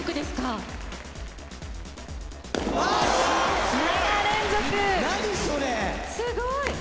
すごい！